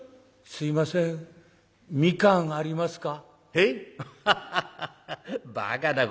「すいません蜜柑ありますか？」。